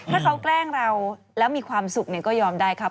ถ้าเขาแกล้งเราแล้วมีความสุขก็ยอมได้ครับ